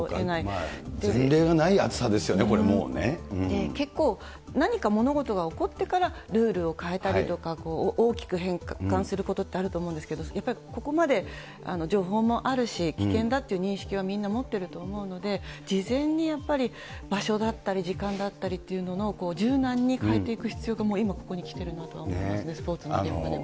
前例がない暑さですよね、結構、何か物事が起こってからルールを変えたりとか、大きく変化するってこと、あると思うんですけど、やっぱりここまで情報もあるし、危険だという認識はみんな持っていると思うので、事前にやっぱり場所だったり、時間だったりっていうのを柔軟に変えていく必要が、もう今ここにきてるなと思いますね、スポーツの現場でも。